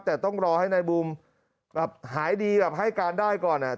แต่ต้องรอให้นายบูมแบบหายดีแบบให้การได้ก่อนอ่ะ